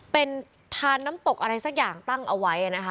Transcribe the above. เป็นทานน้ำตกอะไรสักอย่างตั้งเอาไว้นะคะ